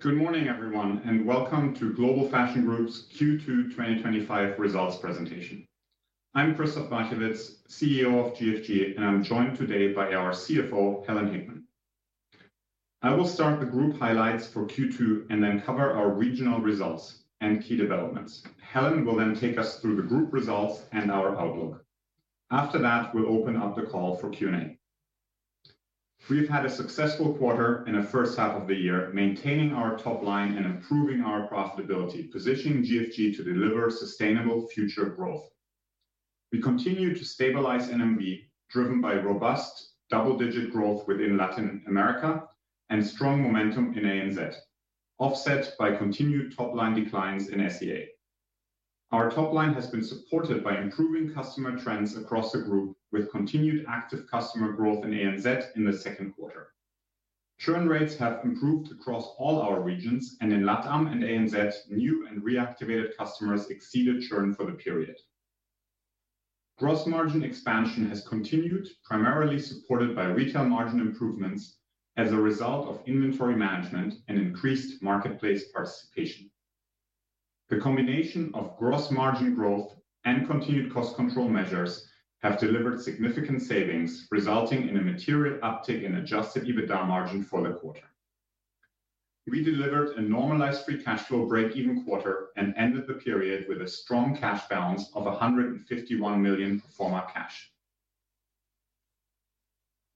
Good morning, everyone, and welcome to Global Fashion Group's Q2 2025 Results Presentation. I'm Christoph Barchewitz, CEO of GFG, and I'm joined today by our CFO, Helen Hickman. I will start the group highlights for Q2 and then cover our regional results and key developments. Helen will then take us through the group results and our outlook. After that, we'll open up the call for Q&A. We've had a successful quarter in the first half of the year, maintaining our top line and improving our profitability, positioning GFG to deliver sustainable future growth. We continue to stabilize NMV, driven by robust double-digit growth within Latin America and strong momentum in ANZ, offset by continued top-line declines in SEA. Our top line has been supported by improving customer trends across the group, with continued active customer growth in ANZ in the second quarter. Churn rates have improved across all our regions, and in LATAM and ANZ, new and reactivated customers exceeded churn for the period. Gross margin expansion has continued, primarily supported by retail margin improvements as a result of inventory management and increased marketplace participation. The combination of gross margin growth and continued cost control measures has delivered significant savings, resulting in a material uptick in adjusted EBITDA margin for the quarter. We delivered a normalized free cash flow break-even quarter and ended the period with a strong cash balance of 151 million performer cash.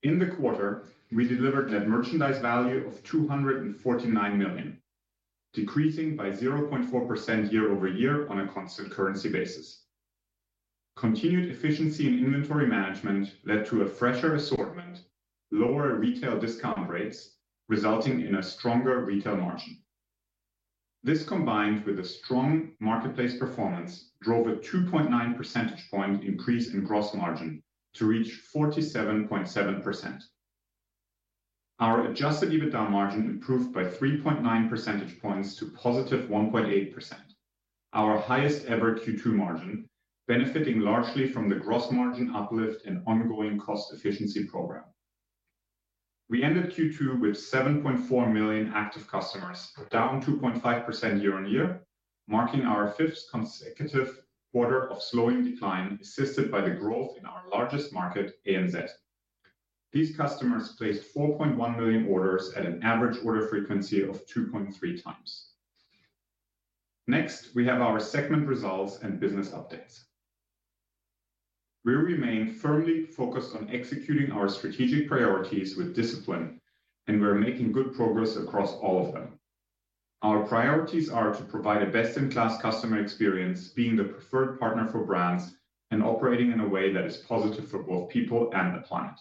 In the quarter, we delivered net merchandise value of 249 million, decreasing by 0.4% year-over-year on a constant currency basis. Continued efficiency in inventory management led to a fresher assortment, lower retail discount rates, resulting in a stronger retail margin. This, combined with a strong marketplace performance, drove a 2.9 percentage point increase in gross margin to reach 47.7%. Our adjusted EBITDA margin improved by 3.9 percentage points to positive 1.8%, our highest ever Q2 margin, benefiting largely from the gross margin uplift and ongoing cost efficiency program. We ended Q2 with 7.4 million active customers, down 2.5% year-on-year, marking our fifth consecutive quarter of slowing decline, assisted by the growth in our largest market, ANZ. These customers placed 4.1 million orders at an average order frequency of 2.3x. Next, we have our segment results and business updates. We remain firmly focused on executing our strategic priorities with discipline, and we're making good progress across all of them. Our priorities are to provide a best-in-class customer experience, being the preferred partner for brands and operating in a way that is positive for both people and the planet.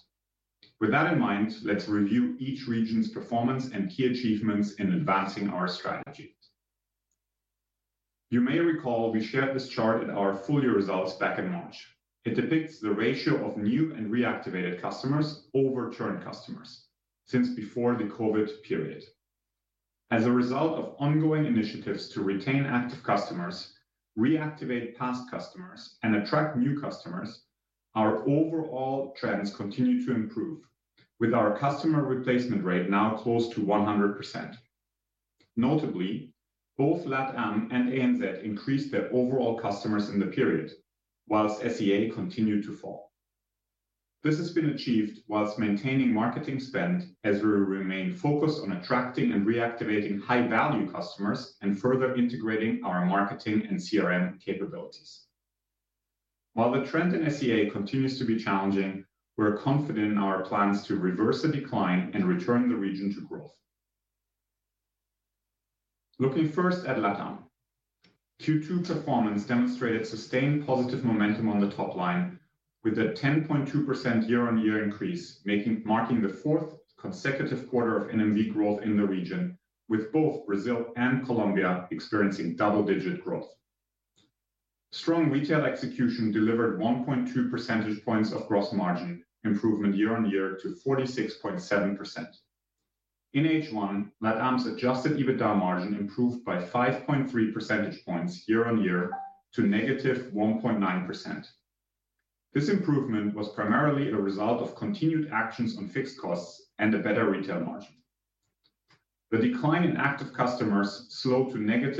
With that in mind, let's review each region's performance and key achievements in advancing our strategy. You may recall we shared this chart in our full year results back in March. It depicts the ratio of new and reactivated customers over churned customers since before the COVID period. As a result of ongoing initiatives to retain active customers, reactivate past customers, and attract new customers, our overall trends continue to improve, with our customer replacement rate now close to 100%. Notably, both LATAM and ANZ increased their overall customers in the period, whilst SEA continued to fall. This has been achieved whilst maintaining marketing spend, as we remain focused on attracting and reactivating high-value customers and further integrating our marketing and CRM capabilities. While the trend in SEA continues to be challenging, we're confident in our plans to reverse the decline and return the region to growth. Looking first at LATAM, Q2 performance demonstrated sustained positive momentum on the top line, with a 10.2% year-on-year increase, marking the fourth consecutive quarter of NMV growth in the region, with both Brazil and Colombia experiencing double-digit growth. Strong retail execution delivered 1.2 percentage points of gross margin improvement year-on-year to 46.7%. In H1, LATAM's adjusted EBITDA margin improved by 5.3 percentage points year-on-year to -1.9%. This improvement was primarily a result of continued actions on fixed costs and a better retail margin. The decline in active customers slowed to -0.3%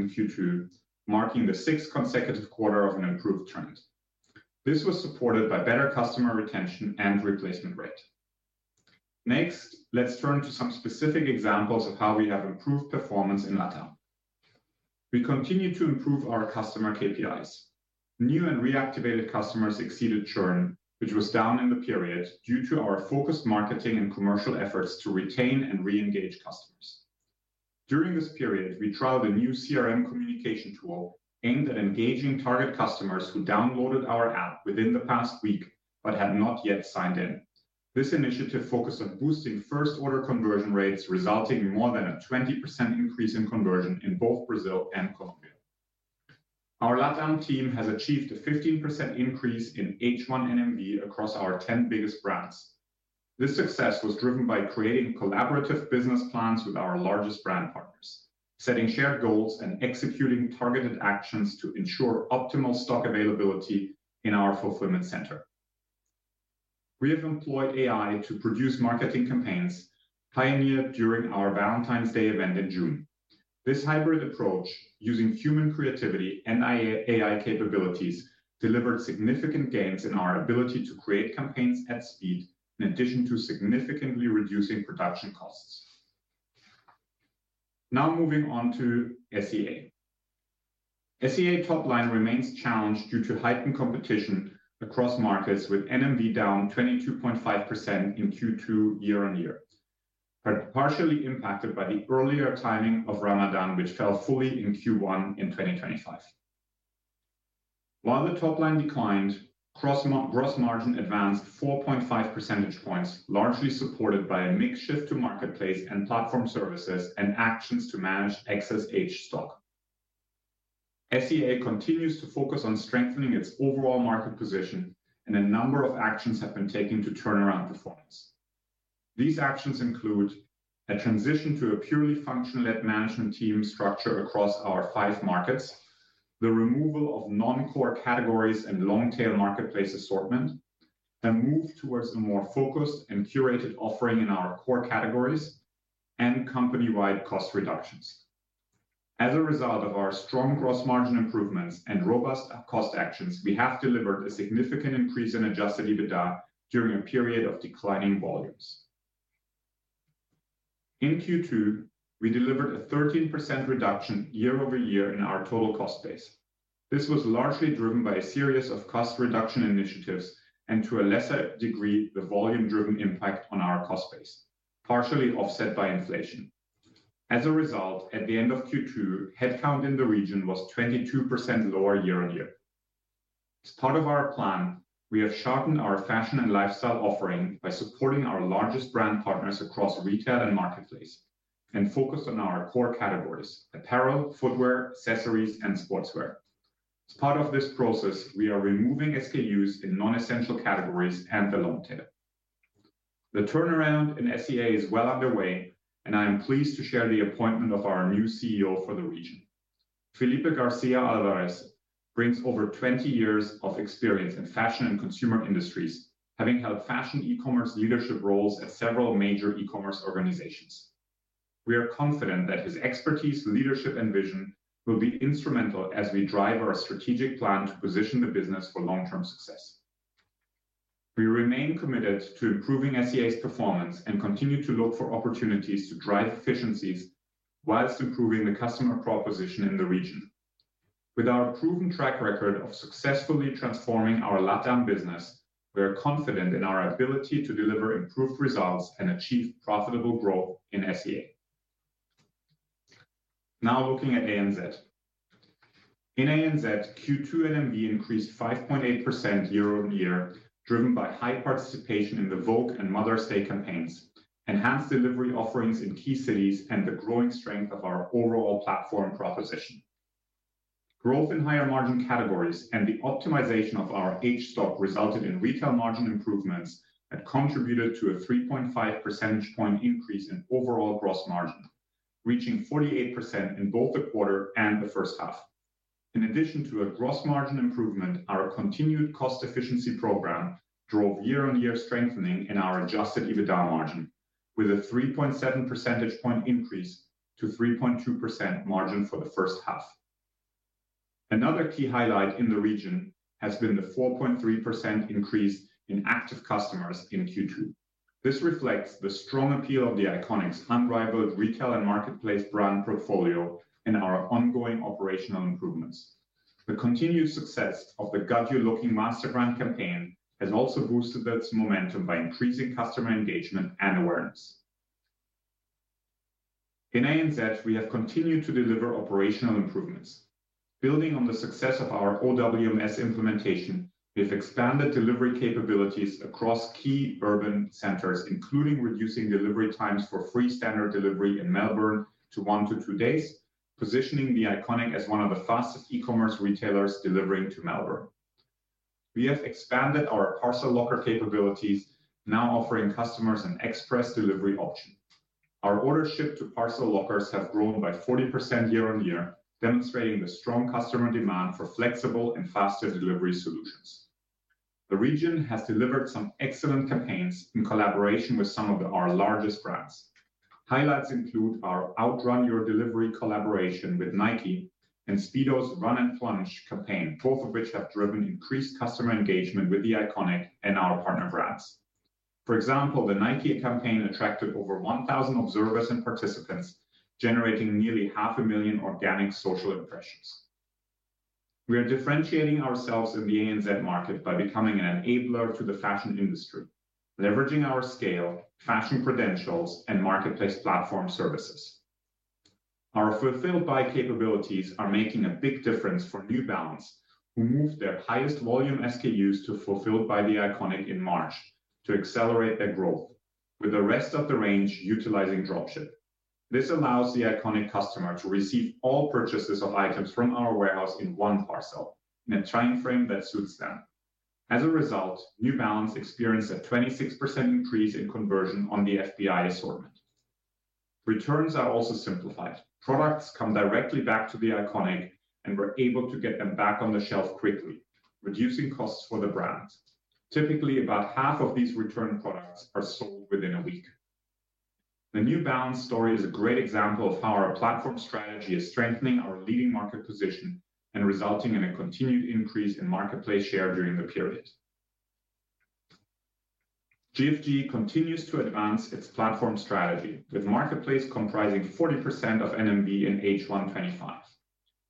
in Q2, marking the sixth consecutive quarter of an improved trend. This was supported by better customer retention and replacement rate. Next, let's turn to some specific examples of how we have improved performance in LATAM. We continue to improve our customer KPIs. New and reactivated customers exceeded churn, which was down in the period due to our focused marketing and commercial efforts to retain and re-engage customers. During this period, we trialed a new CRM communication tool aimed at engaging target customers who downloaded our app within the past week but had not yet signed in. This initiative focused on boosting first-order conversion rates, resulting in more than a 20% increase in conversion in both Brazil and Colombia. Our LATAM team has achieved a 15% increase in H1 NMV across our 10 biggest brands. This success was driven by creating collaborative business plans with our largest brand partners, setting shared goals, and executing targeted actions to ensure optimal stock availability in our fulfillment center. We have employed AI to produce marketing campaigns pioneered during our Valentine's Day event in June. This hybrid approach, using human creativity and AI capabilities, delivered significant gains in our ability to create campaigns at speed, in addition to significantly reducing production costs. Now moving on to SEA. SEA top line remains challenged due to heightened competition across markets, with NMV down 22.5% in Q2 year-on-year, partially impacted by the earlier timing of Ramadan, which fell fully in Q1 in 2025. While the top line declined, gross margin advanced 4.5 percentage points, largely supported by a mixed shift to marketplace and platform services and actions to manage excess H stock. SEA continues to focus on strengthening its overall market position, and a number of actions have been taken to turn around performance. These actions include a transition to a purely functional-led management team structure across our five markets, the removal of non-core categories and long-tail marketplace assortment, a move towards a more focused and curated offering in our core categories, and company-wide cost reductions. As a result of our strong gross margin improvements and robust cost actions, we have delivered a significant increase in adjusted EBITDA during a period of declining volumes. In Q2, we delivered a 13% reduction year-over-year in our total cost base. This was largely driven by a series of cost reduction initiatives and, to a lesser degree, the volume-driven impact on our cost base, partially offset by inflation. As a result, at the end of Q2, headcount in the region was 22% lower year-on-year. As part of our plan, we have sharpened our fashion and lifestyle offering by supporting our largest brand partners across retail and marketplace, and focused on our core categories: apparel, footwear, accessories, and sportswear. As part of this process, we are removing SKUs in non-essential categories and the long tail. The turnaround in SEA is well underway, and I am pleased to share the appointment of our new CEO for the region. Felipe Garcia Alvarez brings over 20 years of experience in fashion and consumer industries, having held fashion e-commerce leadership roles at several major e-commerce organizations. We are confident that his expertise, leadership, and vision will be instrumental as we drive our strategic plan to position the business for long-term success. We remain committed to improving SEA's performance and continue to look for opportunities to drive efficiencies whilst improving the customer proposition in the region. With our proven track record of successfully transforming our LATAM business, we are confident in our ability to deliver improved results and achieve profitable growth in SEA. Now looking at ANZ. In ANZ, Q2 NMV increased 5.8% year-on-year, driven by high participation in the Vogue and Mother's Day campaigns, enhanced delivery offerings in key cities, and the growing strength of our overall platform proposition. Growth in higher margin categories and the optimization of our aged stock resulted in retail margin improvements that contributed to a 3.5 percentage point increase in overall gross margin, reaching 48% in both the quarter and the first half. In addition to a gross margin improvement, our continued cost efficiency program drove year-on-year strengthening in our adjusted EBITDA margin, with a 3.7 percentage point increase to 3.2% margin for the first half. Another key highlight in the region has been the 4.3% increase in active customers in Q2. This reflects the strong appeal of THE ICONIC's unrivaled retail and marketplace brand portfolio and our ongoing operational improvements. The continued success of the "Got You Looking" masterbrand campaign has also boosted its momentum by increasing customer engagement and awareness. In ANZ, we have continued to deliver operational improvements. Building on the success of our OWMS implementation, we have expanded delivery capabilities across key urban centers, including reducing delivery times for free standard delivery in Melbourne to one to two days, positioning THE ICONIC as one of the fastest e-commerce retailers delivering to Melbourne. We have expanded our parcel locker capabilities, now offering customers an express delivery option. Our order ship to parcel lockers have grown by 40% year-on-year, demonstrating the strong customer demand for flexible and faster delivery solutions. The region has delivered some excellent campaigns in collaboration with some of our largest brands. Highlights include our OutRun Your Delivery collaboration with Nike and Speedo's Run and Plunge campaign, both of which have driven increased customer engagement with The Iconic and our partner brands. For example, the Nike campaign attracted over 1,000 observers and participants, generating nearly 500,000 organic social impressions. We are differentiating ourselves in the ANZ market by becoming an enabler to the fashion industry, leveraging our scale, fashion credentials, and marketplace platform services. Our Fulfill Buy capabilities are making a big difference for New Balance, who moved their highest volume SKUs to Fulfill Buy THE ICONIC in March to accelerate their growth, with the rest of the range utilizing dropship. This allows THE ICONIC customer to receive all purchases of items from our warehouse in one parcel, in a timeframe that suits them. As a result, New Balance experienced a 26% increase in conversion on the FBI assortment. Returns are also simplified. Products come directly back to THE ICONIC, and we're able to get them back on the shelf quickly, reducing costs for the brand. Typically, about half of these return products are sold within a week. The New Balance story is a great example of how our platform strategy is strengthening our leading market position and resulting in a continued increase in marketplace share during the period. GFG continues to advance its platform strategy, with marketplace comprising 40% of NMV in H1 2025,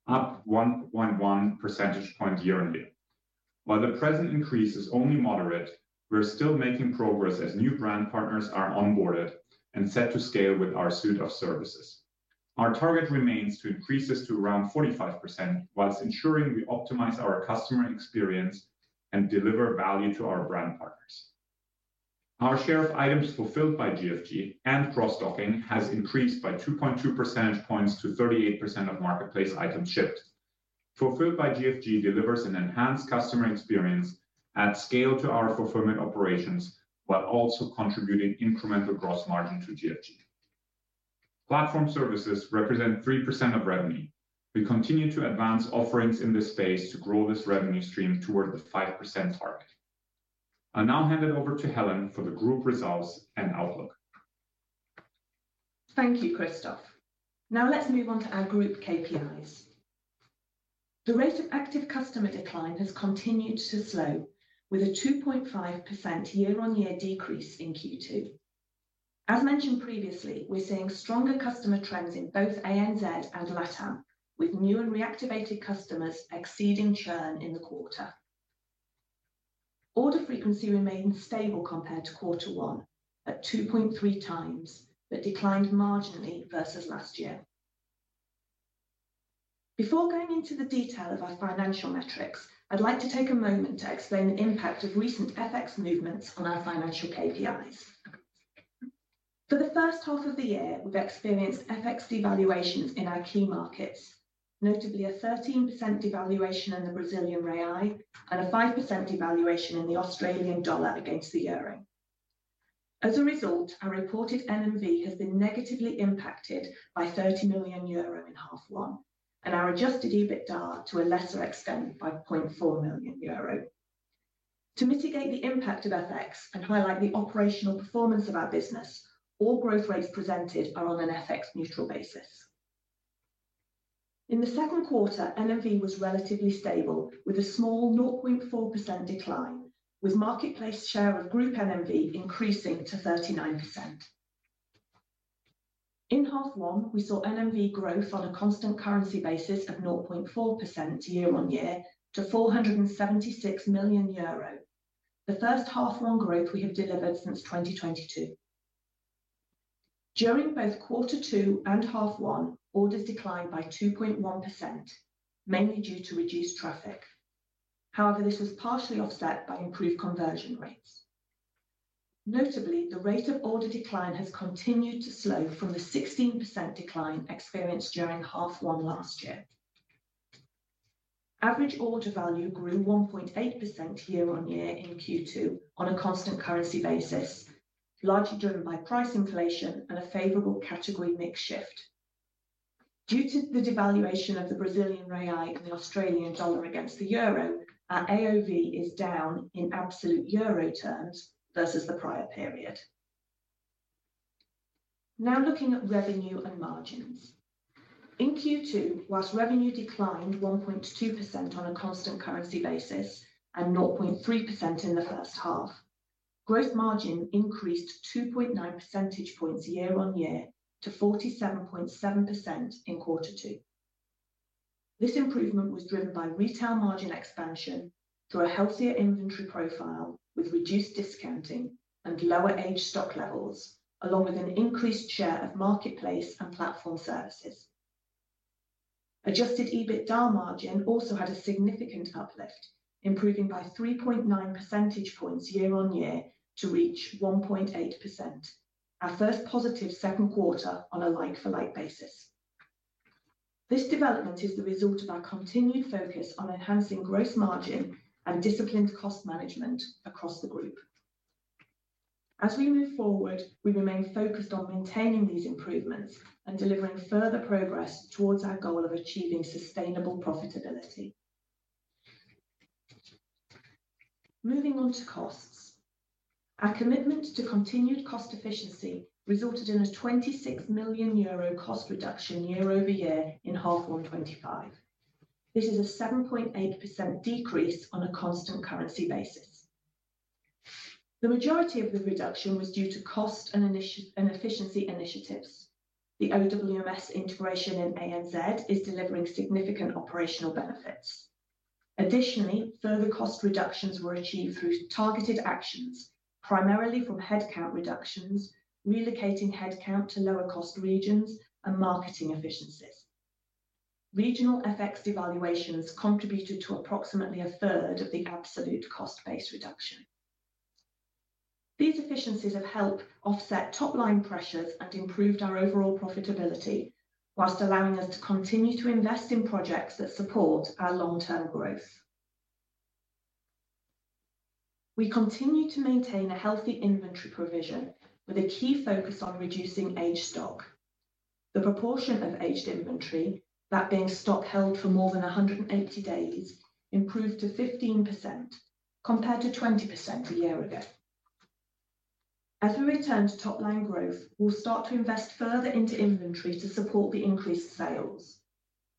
up 1.1 percentage points year-on-year. While the present increase is only moderate, we're still making progress as new brand partners are onboarded and set to scale with our suite of services. Our target remains to increase to around 45%, whilst ensuring we optimize our customer experience and deliver value to our brand partners. Our share of items fulfilled by GFG and cross-docking has increased by 2.2 percentage points to 38% of marketplace items shipped. Fulfilled by GFG delivers an enhanced customer experience at scale to our fulfillment operations, while also contributing incremental gross margin to GFG. Platform services represent 3% of revenue. We continue to advance offerings in this space to grow this revenue stream toward the 5% target. I'll now hand it over to Helen for the group results and outlook. Thank you, Christoph. Now let's move on to our group KPIs. The rate of active customer decline has continued to slow, with a 2.5% year-on-year decrease in Q2. As mentioned previously, we're seeing stronger customer trends in both ANZ and LATAM, with new and reactivated customers exceeding churn in the quarter. Order frequency remains stable compared to quarter one, 2.3x, but declined marginally versus last year. Before going into the detail of our financial metrics, I'd like to take a moment to explain the impact of recent FX movements on our financial KPIs. For the first half of the year, we've experienced FX devaluations in our key markets, notably a 13% devaluation in the Brazilian Real and a 5% devaluation in the Australian Dollar against the Euro. As a result, our reported NMV has been negatively impacted by 30 million euro in half one, and our adjusted EBITDA to a lesser extent by 0.4 million euro. To mitigate the impact of FX and highlight the operational performance of our business, all growth rates presented are on an FX neutral basis. In the second quarter, NMV was relatively stable with a small 0.4% decline, with marketplace share of group NMV increasing to 39%. In half one, we saw NMV growth on a constant currency basis of 0.4% year-on-year to 476 million euro, the first half-one growth we have delivered since 2022. During both quarter two and half one, orders declined by 2.1%, mainly due to reduced traffic. However, this was partially offset by improved conversion rates. Notably, the rate of order decline has continued to slow from the 16% decline experienced during half one last year. Average order value grew 1.8% year-on-year in Q2 on a constant currency basis, largely driven by price inflation and a favorable category mix shift. Due to the devaluation of the Brazilian Real and the Australian Dollar against the Euro, our AOV is down in absolute Euro terms versus the prior period. Now looking at revenue and margins. In Q2, whilst revenue declined 1.2% on a constant currency basis and 0.3% in the first half, gross margin increased 2.9 percentage points year-on-year to 47.7% in quarter two. This improvement was driven by retail margin expansion through a healthier inventory profile with reduced discounting and lower aged stock levels, along with an increased share of marketplace and platform services. Adjusted EBITDA margin also had a significant uplift, improving by 3.9 percentage points year-on-year to reach 1.8%, our first positive second quarter on a like-for-like basis. This development is the result of our continued focus on enhancing gross margin and disciplined cost management across the group. As we move forward, we remain focused on maintaining these improvements and delivering further progress towards our goal of achieving sustainable profitability. Moving on to costs, our commitment to continued cost efficiency resulted in a 26 million euro cost reduction year-over-year in half one 2025. This is a 7.8% decrease on a constant currency basis. The majority of the reduction was due to cost and efficiency initiatives. The OWMS system integration in ANZ is delivering significant operational benefits. Additionally, further cost reductions were achieved through targeted actions, primarily from headcount reductions, relocating headcount to lower cost regions, and marketing efficiencies. Regional FX devaluations contributed to approximately 1/3 of the absolute cost base reduction. These efficiencies have helped offset top-line pressures and improved our overall profitability, whilst allowing us to continue to invest in projects that support our long-term growth. We continue to maintain a healthy inventory provision with a key focus on reducing aged stock. The proportion of aged inventory, that being stock held for more than 180 days, improved to 15% compared to 20% a year ago. As we return to top-line growth, we'll start to invest further into inventory to support the increased sales.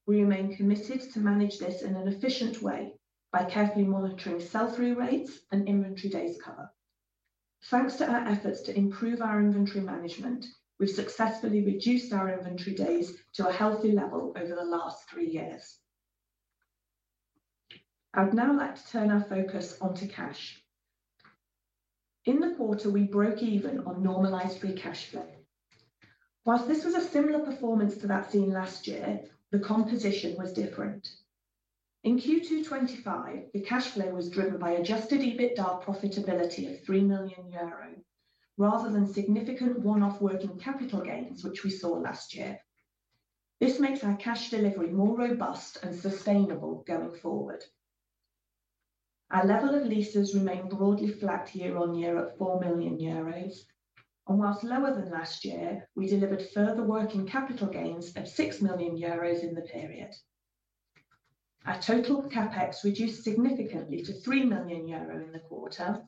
We remain committed to manage this in an efficient way by carefully monitoring sales rerates and inventory days current. Thanks to our efforts to improve our inventory management, we've successfully reduced our inventory days to a healthy level over the last three years. I'd now like to turn our focus onto cash. In the quarter, we broke even on normalized free cash flow. Whilst this was a similar performance to that seen last year, the composition was different. In Q2 2025, the cash flow was driven by adjusted EBITDA profitability of 3 million euro, rather than significant one-off working capital gains, which we saw last year. This makes our cash delivery more robust and sustainable going forward. Our level of leases remained broadly flat year-on-year at 4 million euros, and whilst lower than last year, we delivered further working capital gains of 6 million euros in the period. Our total CapEx reduced significantly to 3 million euro in the quarter,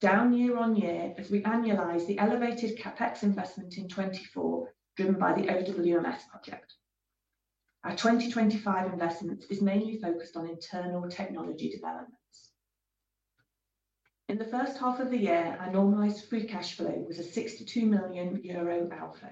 down year-on-year as we annualize the elevated CapEx investment in 2024, driven by the OWMS system project. Our 2025 investment is mainly focused on internal technology developments. In the first half of the year, our normalized free cash flow was a 62 million euro alpha.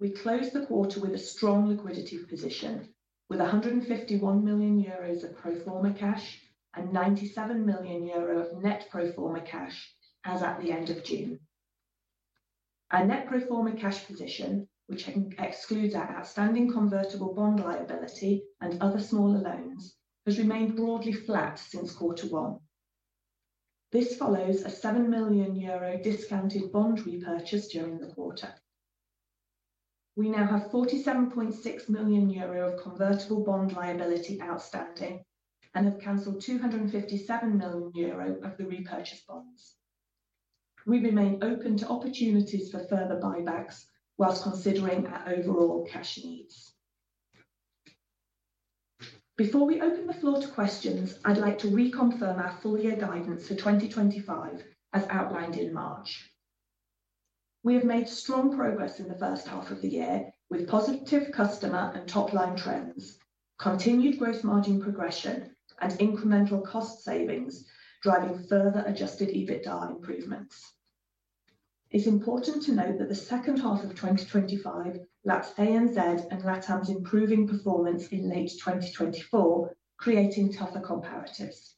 We closed the quarter with a strong liquidity position, with 151 million euros of pro forma cash and 97 million euro of net pro forma cash as at the end of June. Our net pro forma cash position, which excludes our outstanding convertible bond liability and other smaller loans, has remained broadly flat since quarter one. This follows a 7 million euro discounted bond repurchase during the quarter. We now have 47.6 million euro of convertible bond liability outstanding and have canceled 257 million euro of the repurchased bonds. We remain open to opportunities for further buybacks whilst considering our overall cash need. Before we open the floor to questions, I'd like to reconfirm our full year guidance for 2025 as outlined in March. We have made strong progress in the first half of the year with positive customer and top-line trends, continued gross margin progression, and incremental cost savings driving further adjusted EBITDA improvements. It's important to note that the second half of 2025 lacks ANZ and LATAM's improving performance in late 2024, creating tougher comparators.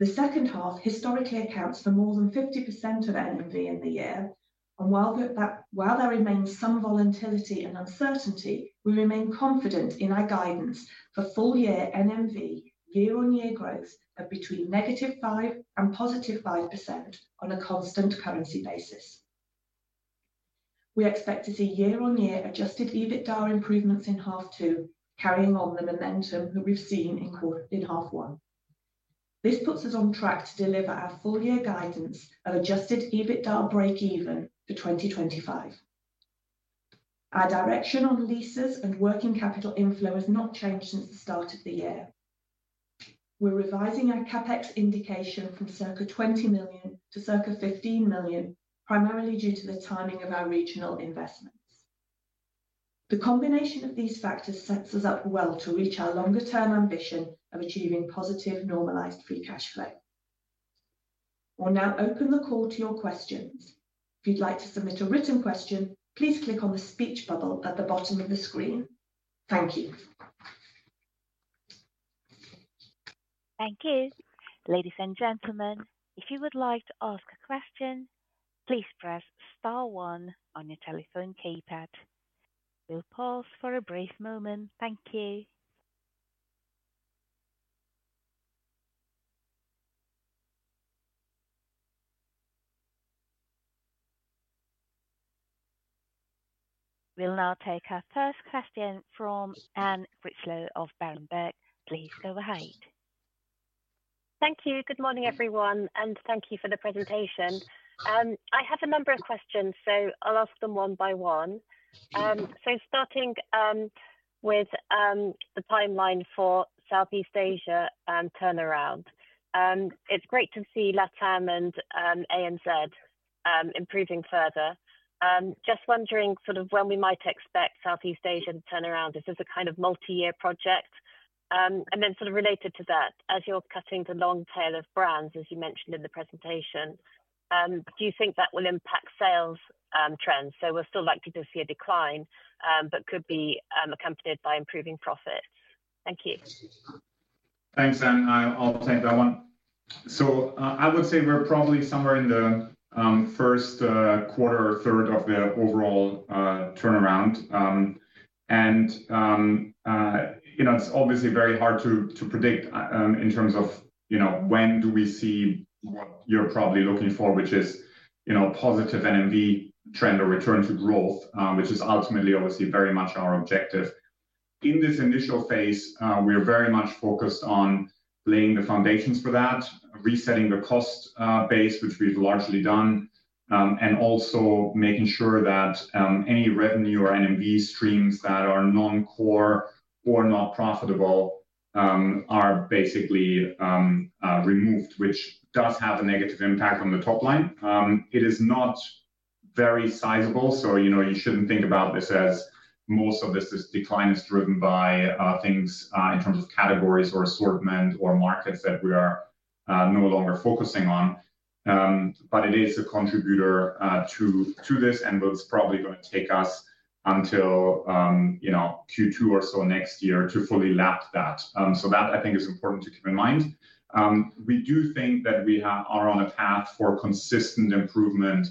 The second half historically accounts for more than 50% of NMV in the year, and while there remains some volatility and uncertainty, we remain confident in our guidance for full year NMV year-on-year growth of between -5% and +5% on a constant currency basis. We expect to see year-on-year adjusted EBITDA improvements in half two, carrying on the momentum that we've seen in half one. This puts us on track to deliver our full year guidance and adjusted EBITDA break-even for 2025. Our direction on leases and working capital inflow has not changed since the start of the year. We're revising our CapEx indication from circa 20 million to circa 15 million, primarily due to the timing of our regional investments. The combination of these factors sets us up well to reach our longer-term ambition of achieving positive normalized free cash flow. We'll now open the call to your questions. If you'd like to submit a written question, please click on the speech bubble at the bottom of the screen. Thank you. Thank you. Ladies and gentlemen, if you would like to ask a question, please press star one on your telephone keypad. We'll pause for a brief moment. Thank you. We'll now take our first question from Anne Critchlow of Berenberg. Please go ahead. Thank you. Good morning, everyone, and thank you for the presentation. I have a number of questions, so I'll ask them one by one. Starting with the timeline for Southeast Asia turnaround, it's great to see LATAM and ANZ improving further. Just wondering when we might expect Southeast Asia turnaround. Is this a kind of multi-year project? Related to that, as you're cutting the long tail of brands, as you mentioned in the presentation, do you think that will impact sales trends? We're still likely to see a decline but could be accompanied by improving profit. Thank you. Thanks, Ann. I would say we're probably somewhere in the first quarter or third of the overall turnaround. It's obviously very hard to predict in terms of when do we see what you're probably looking for, which is a positive NMV trend or return to growth, which is ultimately very much our objective. In this initial phase, we are very much focused on laying the foundations for that, resetting the cost base, which we've largely done, and also making sure that any revenue or NMV streams that are non-core or not profitable are basically removed, which does have a negative impact on the top line. It is not very sizable, so you shouldn't think about this as most of this decline is driven by things in terms of categories or assortment or markets that we are no longer focusing on. It is a contributor to this and will probably take us until Q2 or so next year to fully lap that. That I think is important to keep in mind. We do think that we are on a path for consistent improvement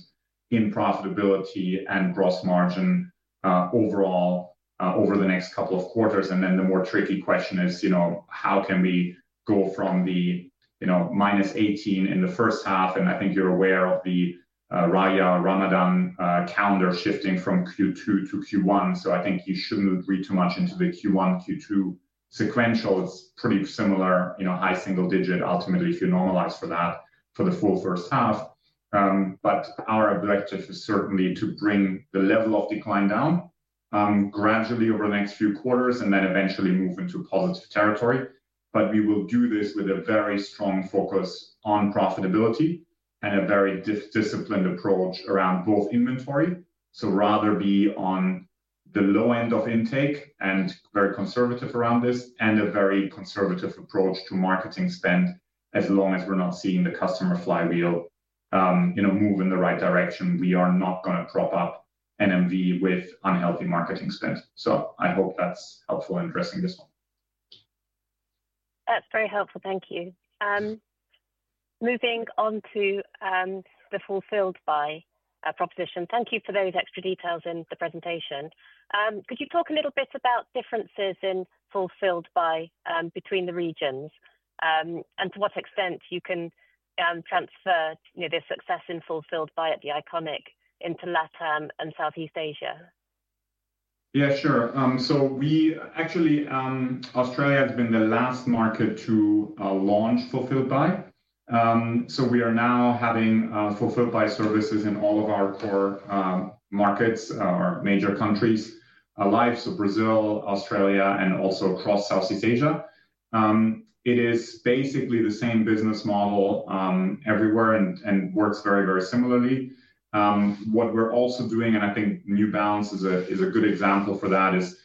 in profitability and gross margin overall over the next couple of quarters. The more tricky question is how can we go from the -18 in the first half? I think you're aware of the Raya or Ramadan calendar shifting from Q2 to Q1. I think you shouldn't read too much into the Q1, Q2 sequential. It's pretty similar, high single digit ultimately if you normalize for that for the full first half. Our objective is certainly to bring the level of decline down gradually over the next few quarters and then eventually move into positive territory. We will do this with a very strong focus on profitability and a very disciplined approach around both inventory. Rather be on the low end of intake and very conservative around this and a very conservative approach to marketing spend as long as we're not seeing the customer flywheel move in the right direction. We are not going to prop up NMV with unhealthy marketing spend. I hope that's helpful in addressing this one. That's very helpful. Thank you. Moving on to the Fulfill Buy proposition, thank you for those extra details in the presentation. Could you talk a little bit about differences in Fulfill Buy between the regions and to what extent you can transfer, you know, the success in Fulfill Buy at THE ICONIC into LATAM and Southeast Asia? Yeah, sure. We actually, Australia has been the last market to launch Fulfill Buy. We are now having Fulfill Buy services in all of our four markets, our major countries alive, so Brazil, Australia, and also across Southeast Asia. It is basically the same business model everywhere and works very, very similarly. What we're also doing, and I think New Balance is a good example for that, is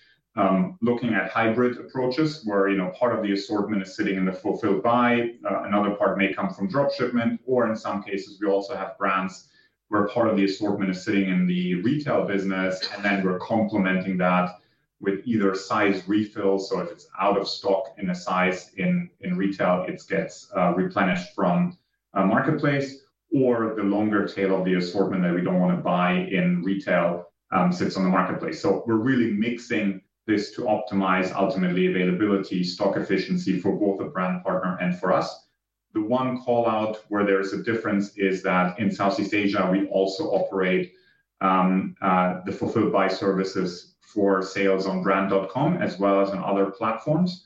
looking at hybrid approaches where part of the assortment is sitting in the Fulfill Buy. Another part may come from drop shipment, or in some cases we also have brands where part of the assortment is sitting in the retail business, and then we're complementing that with either size refills. If it's out of stock in a size in retail, it gets replenished from a marketplace, or the longer tail of the assortment that we don't want to buy in retail sits on the marketplace. We're really mixing this to optimize ultimately availability, stock efficiency for both the brand partner and for us. The one call out where there is a difference is that in Southeast Asia, we also operate the Fulfill Buy services for sales on brand.com as well as on other platforms.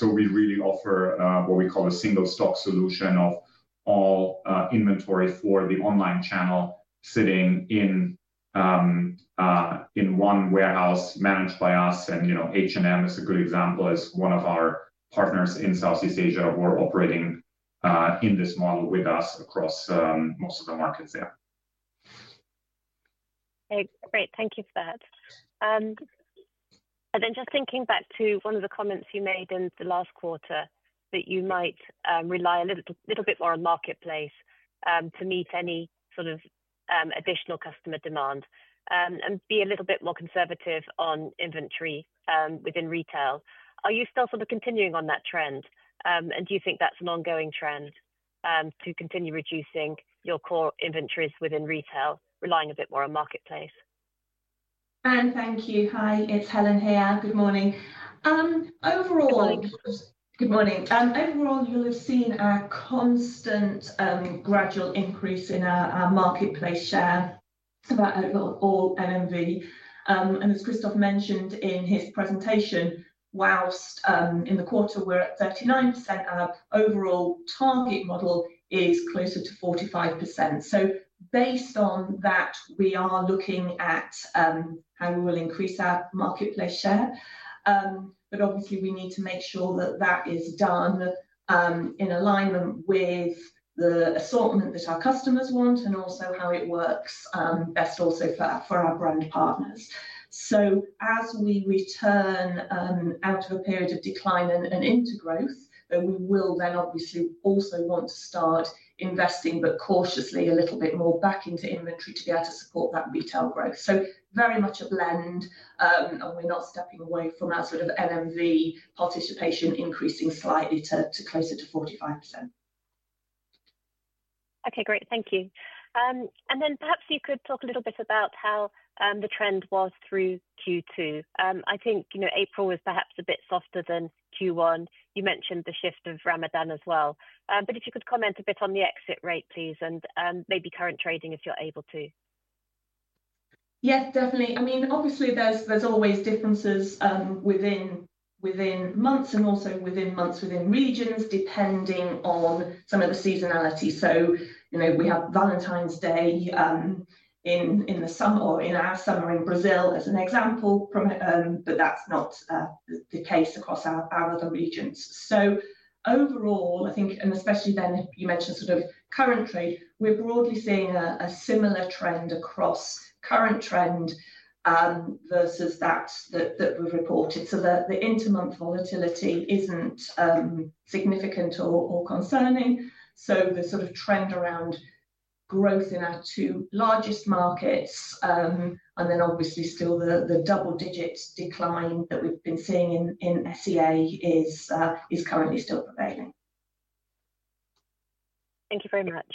We really offer what we call a single stock solution of all inventory for the online channel sitting in one warehouse managed by us. H&M is a good example as one of our partners in Southeast Asia who are operating in this model with us across most of the markets there. Great. Thank you for that. Just thinking back to one of the comments you made in the last quarter that you might rely a little bit more on marketplace to meet any sort of additional customer demand and be a little bit more conservative on inventory within retail. Are you still sort of continuing on that trend, and do you think that's an ongoing trend to continue reducing your core inventories within retail, relying a bit more on marketplace? Thank you. Hi, it's Helen here. Good morning. Overall, you'll have seen a constant gradual increase in our marketplace share. It's about a little all NMV. As Christoph mentioned in his presentation, whilst in the quarter we're at 39%, our overall target model is closer to 45%. Based on that, we are looking at how we will increase our marketplace share. Obviously, we need to make sure that that is done in alignment with the assortment that our customers want and also how it works best also for our brand partners. As we return out of a period of decline and into growth, we will then obviously also want to start investing, but cautiously a little bit more back into inventory to be able to support that retail growth. Very much a blend, and we're not stepping away from that sort of NMV participation increasing slightly to closer to 45%. Okay, great. Thank you. Perhaps you could talk a little bit about how the trend was through Q2. I think you know April was perhaps a bit softer than Q1. You mentioned the shift of Ramadan as well. If you could comment a bit on the exit rate, please, and maybe current trading if you're able to. Yes, definitely. Obviously, there's always differences within months and also within months within regions, depending on some of the seasonality. You know we have Valentine's Day in the summer, or in our summer in Brazil as an example, but that's not the case across our other regions. Overall, I think, and especially then you mentioned sort of current trade, we're broadly seeing a similar trend across current trend versus that that we've reported. The inter-month volatility isn't significant or concerning. The sort of trend around growth in our two largest markets, and then obviously still the double-digit decline that we've been seeing in SEA, is currently still prevailing. Thank you very much.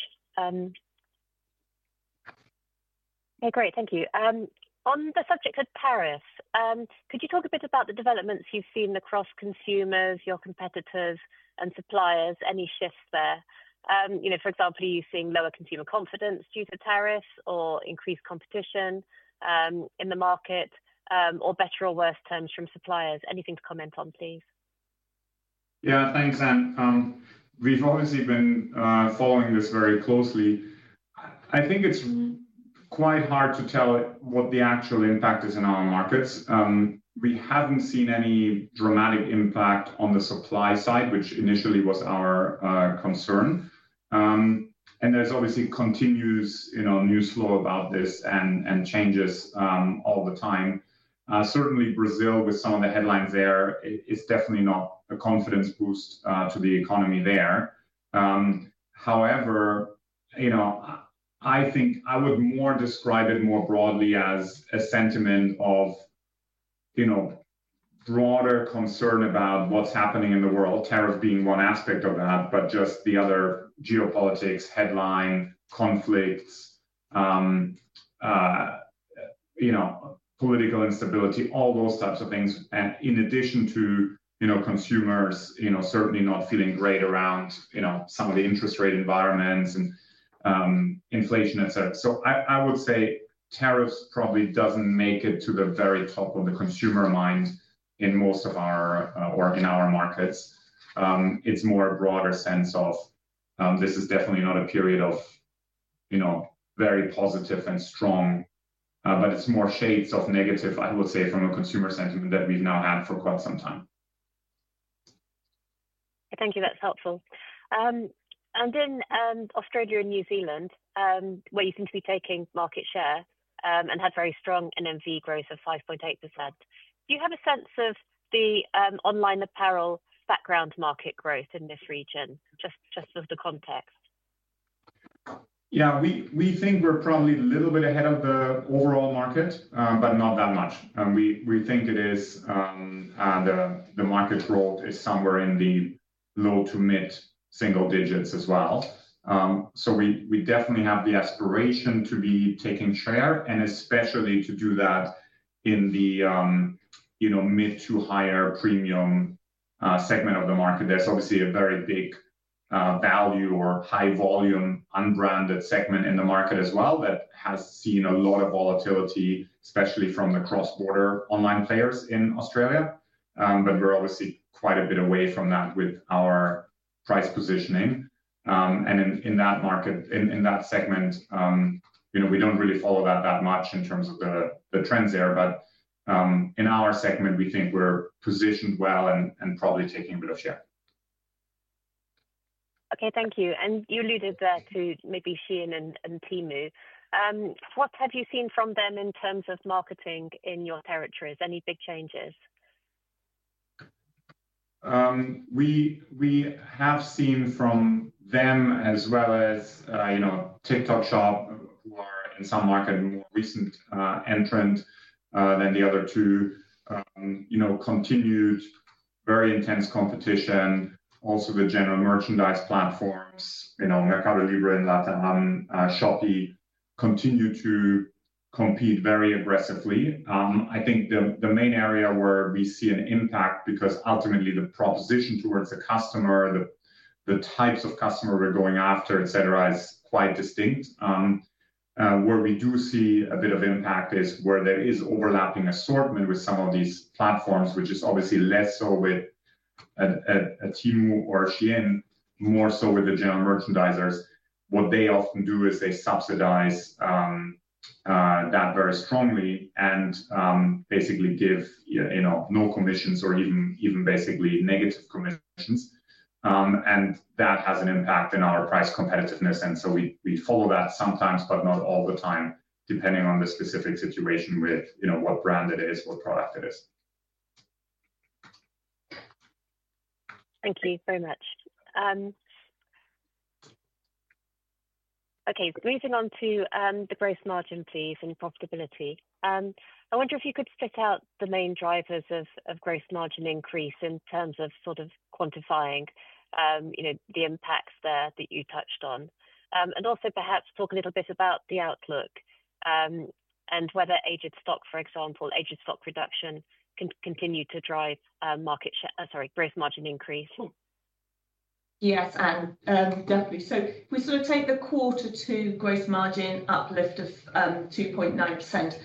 Yeah, great. Thank you. On the subject of tariffs, could you talk a bit about the developments you've seen across consumers, your competitors, and suppliers? Any shifts there? For example, are you seeing lower consumer confidence due to tariffs or increased competition in the market, or better or worse terms from suppliers? Anything to comment on, please? Yeah, thanks, Ann. We've obviously been following this very closely. I think it's quite hard to tell what the actual impact is in our markets. We haven't seen any dramatic impact on the supply side, which initially was our concern. There's obviously continued news flow about this and changes all the time. Certainly, Brazil was some of the headlines there. It's definitely not a confidence boost to the economy there. However, I think I would describe it more broadly as a sentiment of broader concern about what's happening in the world, tariffs being one aspect of that, but just the other geopolitics headline, conflicts, political instability, all those types of things, in addition to consumers certainly not feeling great around some of the interest rate environments and inflation, et cetera. I would say tariffs probably don't make it to the very top of the consumer mind in most of our markets. It's more a broader sense of this is definitely not a period of very positive and strong, but it's more shades of negative, I would say, from a consumer sentiment that we've not had for quite some time. Thank you. That's helpful. In Australia and New Zealand, where you seem to be taking market share and have very strong NMV growth of 5.8%, do you have a sense of the online apparel background market growth in this region, just as the context? Yeah, we think we're probably a little bit ahead of the overall market, but not that much. We think the market growth is somewhere in the low to mid-single digits as well. We definitely have the aspiration to be taking share and especially to do that in the mid to higher-premium segment of the market. There's obviously a very big value or high volume unbranded segment in the market as well that has seen a lot of volatility, especially from the cross-border online players in Australia. We're obviously quite a bit away from that with our price positioning. In that segment, we don't really follow that that much in terms of the trends there. In our segment, we think we're positioned well and probably taking a bit of share. Okay, thank you. You alluded there to maybe Shein and Temu. What have you seen from them in terms of marketing in your territories? Any big changes? We have seen from them as well as TikTok Shop, where in some markets a more recent entrant than the other two, continued very intense competition. Also, the general merchandise platforms, MercadoLibre in LATAM and Shopee, continue to compete very aggressively. I think the main area where we see an impact, because ultimately the proposition towards the customer, the types of customers we're going after, et cetera, is quite distinct. Where we do see a bit of impact is where there is overlapping assortment with some of these platforms, which is obviously less so with a Temu or a Shein, more so with the general merchandisers. What they often do is subsidize that very strongly and basically give no commissions or even basically negative commissions. That has an impact in our price competitiveness. We follow that sometimes, but not all the time, depending on the specific situation with what brand it is, what product it is. Thank you very much. Okay, moving on to the gross margin, please, and profitability. I wonder if you could spit out the main drivers of gross margin increase in terms of sort of quantifying the impacts there that you touched on. Also, perhaps talk a little bit about the outlook and whether aged stock, for example, aged stock reduction, can continue to drive gross margin increase. Yes, Ann, definitely. If we sort of take the quarter two gross margin uplift of 2.9%,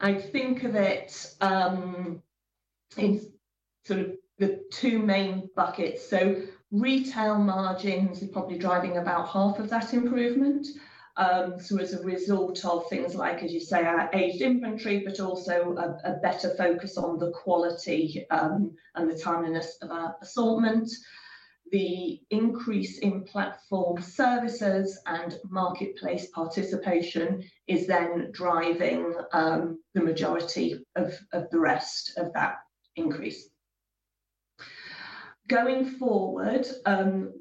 I'd think of it as sort of the two main buckets. Retail margins are probably driving about half of that improvement. As a result of things like, as you say, our aged inventory, but also a better focus on the quality and the timeliness of our assortment, the increase in platform services and marketplace participation is then driving the majority of the rest of that increase. Going forward,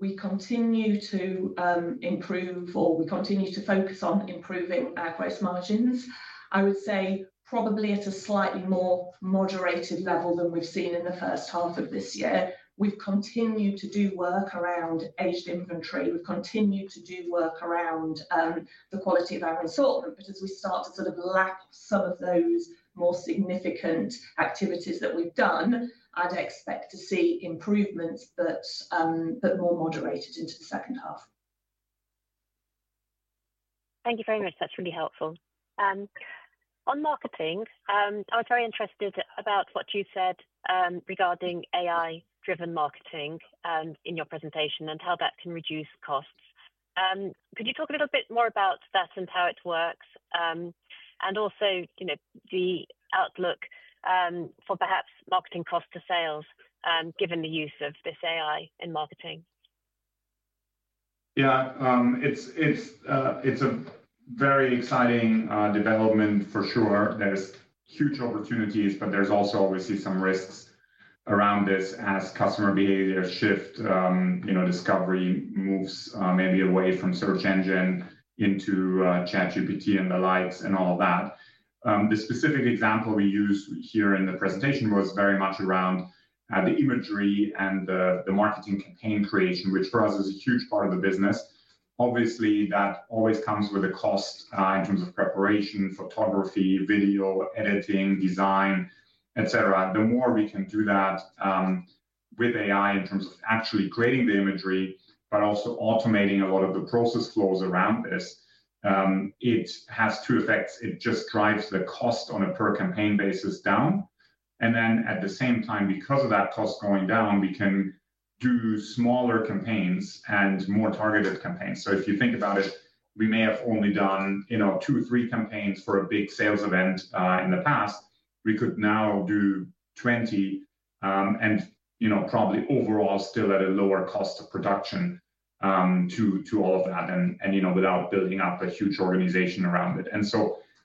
we continue to improve, or we continue to focus on improving our gross margins. I would say probably at a slightly more moderated level than we've seen in the first half of this year. We continue to do work around aged inventory. We continue to do work around the quality of our assortment. As we start to sort of lap some of those more significant activities that we've done, I'd expect to see improvements, but more moderated into the second half. Thank you very much. That's really helpful. On marketing, I was very interested about what you said regarding AI-driven marketing in your presentation and how that can reduce costs. Could you talk a little bit more about that and how it works? Also, you know the outlook for perhaps marketing cost to sales, given the use of this AI in marketing? Yeah, it's a very exciting development for sure. There's huge opportunities, but there's also obviously some risks around this as customer behaviors shift. You know, discovery moves mainly away from search engine into ChatGPT and the likes and all of that. The specific example we used here in the presentation was very much around the imagery and the marketing campaign creation, which for us is a huge part of the business. Obviously, that always comes with a cost in terms of preparation, photography, video, editing, design, etc. The more we can do that with AI in terms of actually creating the imagery, but also automating a lot of the process flows around this, it has two effects. It just drives the cost on a per campaign basis down. At the same time, because of that cost going down, we can do smaller campaigns and more targeted campaigns. If you think about it, we may have only done two or three campaigns for a big sales event in the past. We could now do 20 and probably overall still at a lower cost of production to all of that and without building up a huge organization around it.